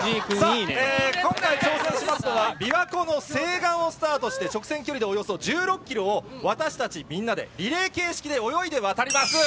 今回挑戦しますのは、びわ湖の西岸をスタートして、直線距離でおよそ１６キロを、私たちみんなでリレー形式で泳いで渡ります。